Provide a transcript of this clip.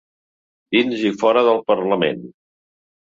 Dins i fora del parlament.